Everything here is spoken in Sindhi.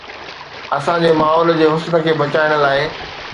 اسان جي ماحول جي حسن کي بچائڻ لاء